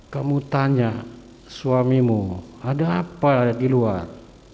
kamu tanya suamimu ada apa ada di luar